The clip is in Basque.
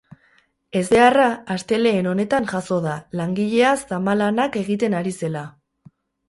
Ezbeharra astelehen honetan jazo da, langilea zamalanak egiten ari zela.